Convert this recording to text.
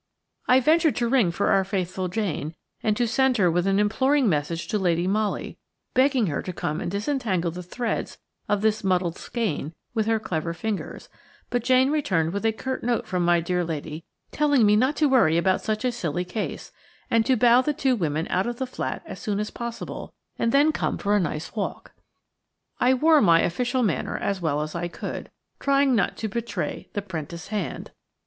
I ventured to ring for our faithful Jane and to send her with an imploring message to Lady Molly, begging her to come and disentangle the threads of this muddled skein with her clever fingers; but Jane returned with a curt note from my dear lady, telling me not to worry about such a silly case, and to bow the two women out of the flat as soon as possible and then come for a nice walk. I wore my official manner as well as I could, trying not to betray the 'prentice hand.